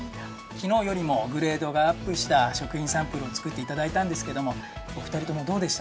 きのうよりもグレードがアップした食品サンプルをつくっていただいたんですけどもおふたりともどうでしたか？